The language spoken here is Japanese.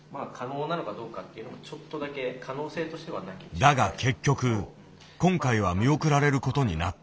だが結局今回は見送られる事になった。